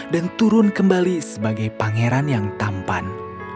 dan turun kembali sebagai pangeran yang tampan